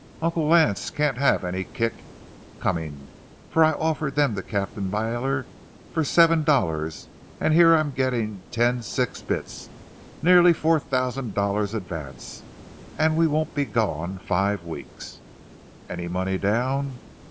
Uncle Lance can't have any kick coming, for I offered them to Captain Byler for seven dollars, and here I'm getting ten six bits—nearly four thousand dollars' advance, and we won't be gone five weeks. Any money down?